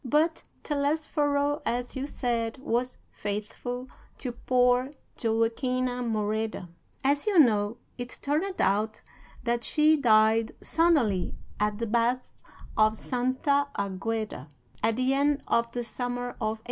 But Telesforo, as you said, was faithful to poor Joaquina Moreda. "As you know, it turned out that she died suddenly at the baths of Santa Agueda, at the end of the summer of 1859.